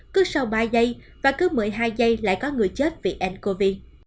cứ sau ba giây và cứ một mươi hai giây lại có người chết vì ncov